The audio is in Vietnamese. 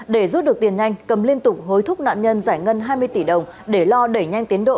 để rút được tiền nhanh cầm liên tục hối thúc nạn nhân giải ngân hai mươi tỷ đồng để lo đẩy nhanh tiến độ